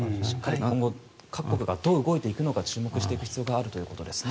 今後、各国がどう動いていくか注目していく必要があるということですね。